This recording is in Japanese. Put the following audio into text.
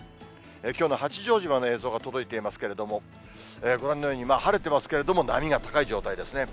きょうの八丈島の映像が届いていますけれども、ご覧のように、晴れてますけれども、波が高い状態ですね。